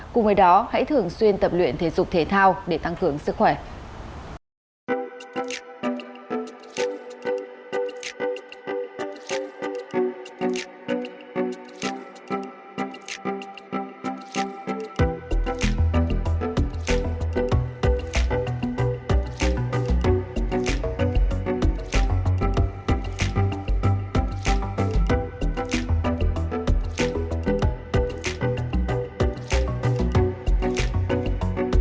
cùng với đó hãy thường xuyên tập luyện thể dục thể thao để tăng cường sức khỏe